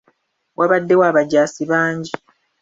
Wabaddewo abajaasi bangi.